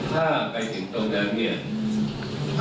ถ้าไปถึงตรงด้านเหนือ